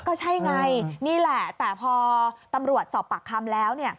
ก็ใช่ไงนี่แหละแต่พอตำรวจสอบปากคำแล้ว